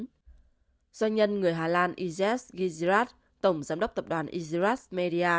doanh nhân người hà lan izez gizirat tổng giám đốc tập đoàn izezirat media